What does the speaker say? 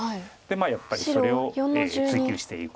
やっぱりそれを追究していく。